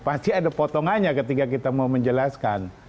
pasti ada potongannya ketika kita mau menjelaskan